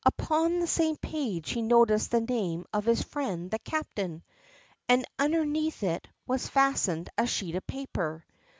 Upon the same page he noticed the name of his friend the captain, and underneath it was fastened a sheet of paper.